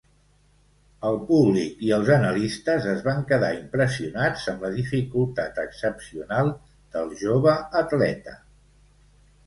El públic i els analistes es van quedar impressionats amb la dificultat excepcional del jove atleta.